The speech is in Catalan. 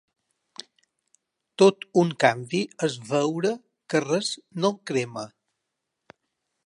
Tot un canvi és veure que res no el crema.